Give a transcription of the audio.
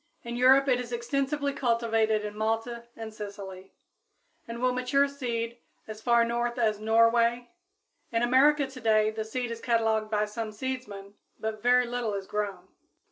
In Europe it is extensively cultivated in Malta and Sicily, and will mature seed as far north as Norway; in America, today, the seed is cataloged by some seedsmen, but very little is grown.